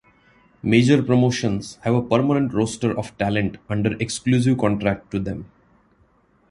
Major promotions have a permanent roster of talent under exclusive contract to them.